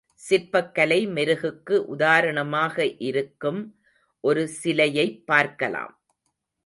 சிற்பக் கலை மெருகுக்கு உதாரணமாக இன்னும் ஒரு சிலையைப் பார்க்கலாம்.